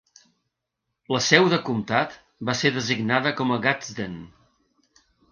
La seu de comtat va ser designada com a Gadsden.